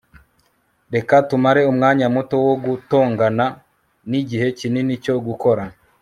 reka tumare umwanya muto wo gutongana nigihe kinini cyo gukora